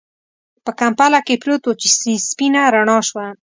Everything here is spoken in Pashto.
په کمپله کې پروت و چې سپينه رڼا شوه.